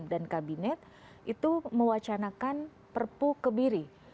dan kabinet itu mewacanakan perpu kebiri